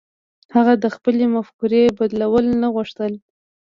هغه د خپلې مفکورې بدلول نه غوښتل.